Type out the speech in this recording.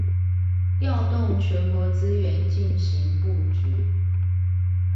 調動全國資源進行布局